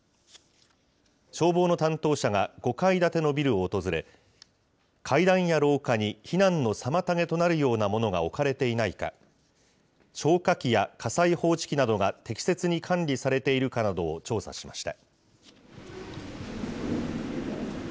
消防の担当者が５階建てのビルを訪れ、階段や廊下に避難の妨げとなるような物が置かれていないか、消火器や火災報知器などが適切に管理されているかなどを調査しました。